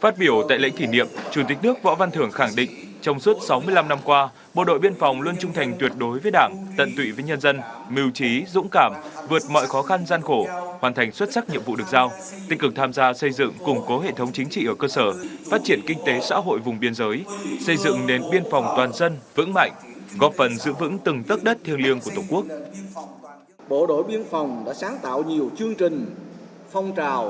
phát biểu tại lễ kỷ niệm chủ tịch nước võ văn thưởng khẳng định trong suốt sáu mươi năm năm qua bộ đội biên phòng luôn trung thành tuyệt đối với đảng tận tụy với nhân dân mưu trí dũng cảm vượt mọi khó khăn gian khổ hoàn thành xuất sắc nhiệm vụ được giao tinh cực tham gia xây dựng củng cố hệ thống chính trị ở cơ sở phát triển kinh tế xã hội vùng biên giới xây dựng đến biên phòng toàn dân vững mạnh góp phần giữ vững từng tất đất thiêng liêng của tổng quốc